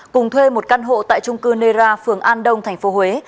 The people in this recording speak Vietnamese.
cùng thuê một căn hộ tại trung cư nera phường an đông thành phố huế